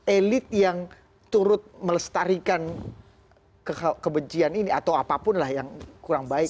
elit yang turut melestarikan kebencian ini atau apapun lah yang kurang baik